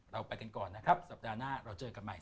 เราไปกันก่อนนะครับสัปดาห์หน้าเราเจอกันใหม่